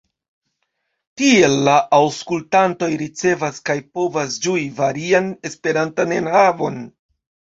Tiel la aŭskultantoj ricevas kaj povas ĝui varian Esperantan enhavon.